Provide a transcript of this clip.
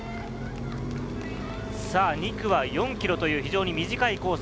２区は４ｋｍという非常に短いコース。